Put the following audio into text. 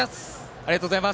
ありがとうございます。